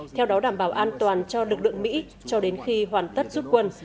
theo đó đảm bảo an toàn cho lực lượng mỹ cho đến khi hoàn tất rút quân